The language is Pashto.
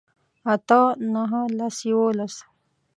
اتۀ نهه لس يوولس